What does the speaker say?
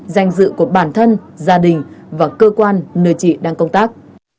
danh dự của bản thân gia đình và cơ quan nơi chị đang công tác